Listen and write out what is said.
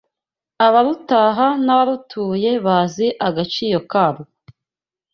Abarutaha n’abarutuye bazi agacio karwo